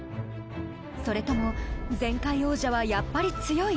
［それとも前回王者はやっぱり強い？